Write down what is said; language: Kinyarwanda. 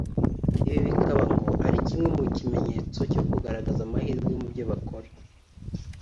Ibi bikaba ngo ari kimwe mu kimenyetso cyo kugaragaza amahirwe mubyo bakora